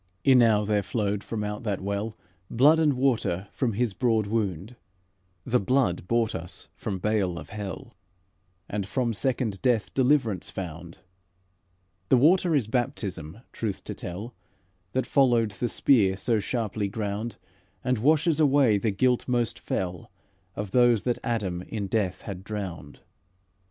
"Enow there flowed from out that well, Blood and water from His broad wound: The blood bought us from bale of hell, And from second death deliverance found. The water is baptism, truth to tell, That followed the spear so sharply ground, And washes away the guilt most fell Of those that Adam in death had drowned.